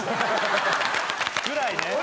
ぐらいね！